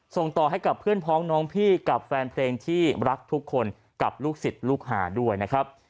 ส่งต่อให้กับเพื่อนพ้องน้องพี่กับแฟนเพลงที่รักทุกคนกับลูกศิษย์ลูกหาด้วยนะครับ